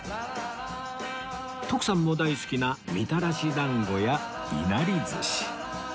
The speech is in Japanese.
徳さんも大好きなみたらし団子やいなり寿司